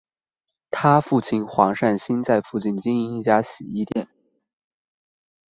她父亲黄善兴在附近经营一家洗衣店。